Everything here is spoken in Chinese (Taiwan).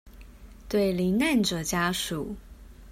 對罹難者家屬